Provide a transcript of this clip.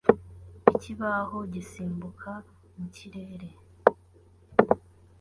Ikibaho gisimbuka mu kirere